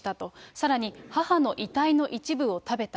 さらに母の遺体の一部を食べた。